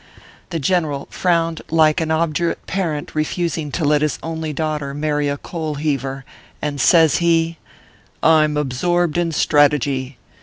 The General frowned like an obdurate parent refus ing to let his only daughter marry a coal heaver, and says he :" I m absorbed in strategy.